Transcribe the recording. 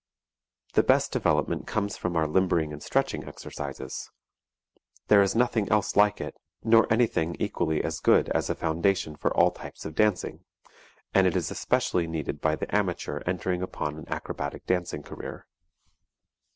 The best development comes from our limbering and stretching exercises. There is nothing else like it nor anything equally as good as a foundation for all types of dancing, and it is especially needed by the amateur entering upon an acrobatic dancing career.